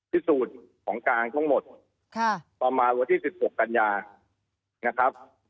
พิสูจน์ของการทั้งหมดต่อมาวันที่๑๖กันยา